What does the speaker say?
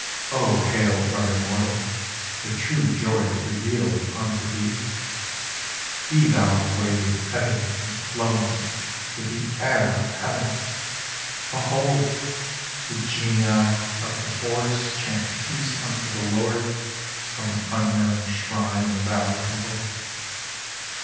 O hail, brother mortal ! the true joy is revealed unto thee — Be thou a wav^e ebbing and flowing with the air of Heaven ! Behold ! The genii of the forest chant Peace unto the Lord from an unknown shrine in the Valley temple.